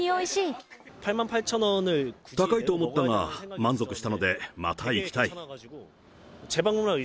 高いと思ったが、満足したので、また行きたい。